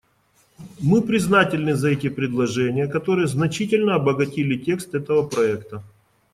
Мы признательны за эти предложения, которые значительно обогатили текст этого проекта.